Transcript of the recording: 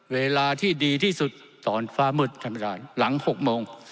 เวลาที่ดีที่สุดตอนฟ้ามืดทำไม่ได้หลังหกโมง